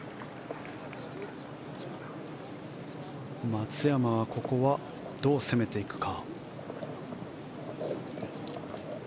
松山はここはどう攻めていくか。